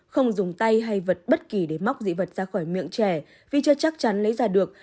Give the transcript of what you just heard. không dùng tay hay vật bất kỳ để móc dị vật ra khỏi miệng trẻ vì chưa chắc chắn lấy ra được